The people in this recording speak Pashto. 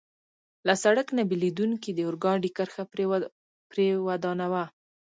له سړک نه بېلېدونکې د اورګاډي کرښه پرې ودانوه.